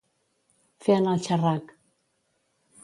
Fer anar el xerrac.